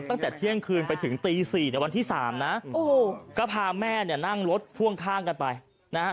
ตั้งแต่เที่ยงคืนไปถึงตีสี่ในวันที่สามนะโอ้โหก็พาแม่เนี่ยนั่งรถพ่วงข้างกันไปนะฮะ